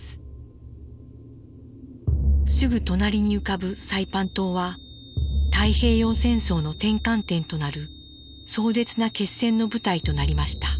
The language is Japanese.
すぐ隣に浮かぶサイパン島は太平洋戦争の転換点となる壮絶な決戦の舞台となりました。